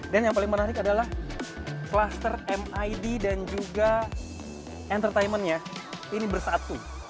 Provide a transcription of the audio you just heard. dan yang paling menarik adalah cluster mid dan juga entertainment nya ini bersatu